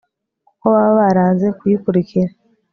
kuko baba baranze kuyikurikira